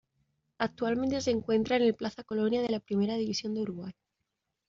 Actualmente se encuentra en el Plaza Colonia de la Primera División de Uruguay.